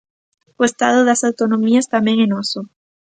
O Estado das autonomías tamén é noso.